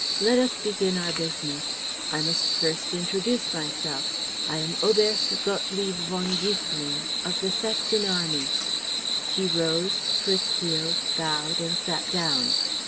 Let us begin our business. I must first introduce myself. I am Oberst Gottlieb von Giesselin of the Saxon Army. (He rose, clicked heels, bowed, and sat down.)